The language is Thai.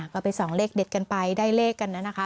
ก็เป็นสองเลขเด็ดกันไปได้เลขกันแล้วนะคะ